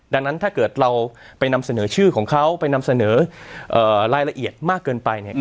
ดังนั้นถ้าเกิดเราไปนำเสนอชื่อของเขาไปนำเสนอรายละเอียดมากเกินไปเนี่ย